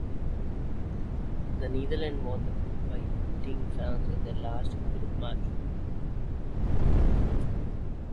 The Netherlands won the group, by beating France in their last group match.